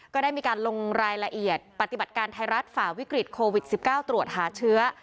ก็ได้มีการลงรายละเอียดปฏิบัติการไทยรัฐฝ่าวิกฤตโควิด๑๙ตรวจหาเชื้อ